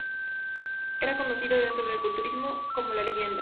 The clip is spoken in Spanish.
Era conocido dentro del culturismo como "La Leyenda".